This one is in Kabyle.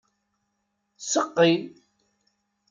Seqqi.